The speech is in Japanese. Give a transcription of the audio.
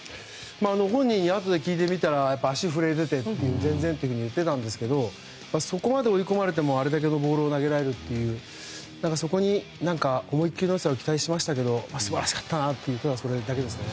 本人に後で聞いてみたら足が震えて全然と言っていたんですけどそこまで追い込まれてもあれだけのボールを投げられるというそこに思い切りの良さを期待しましたけど素晴らしかったなとそれだけですね。